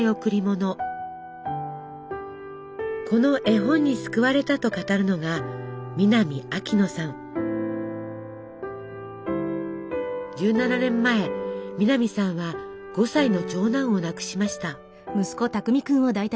この絵本に救われたと語るのが１７年前南さんは５歳の長男を亡くしました。